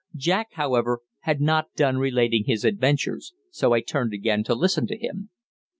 Jack, however, had not done relating his adventures, so I turned again to listen to him.